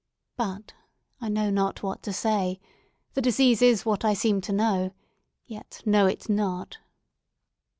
But I know not what to say, the disease is what I seem to know, yet know it not."